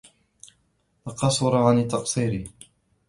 لَقَصَّرَ عَنْ التَّقْصِيرِ